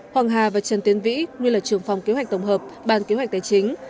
hoàng hà và trần tiến vĩ nguyên là trưởng phòng kế hoạch tổng hợp ban kế hoạch tài chính